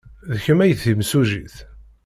D kemm ay d timsujjit.